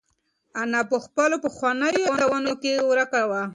انا په خپلو پخوانیو یادونو کې ورکه وه.